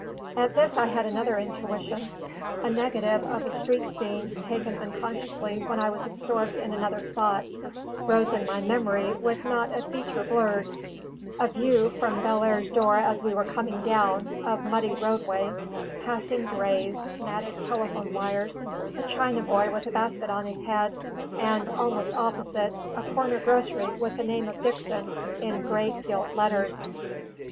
At this I had another intuition. A negative of a street scene, taken unconsciously when I was absorbed in other thought, rose in my memory with not a feature blurred: a view, from Bellairs's door as we were coming down, of muddy roadway, passing drays, matted telegraph wires, a Chinaboy with a basket on his head, and (almost opposite) a corner grocery with the name of Dickson in great gilt letters.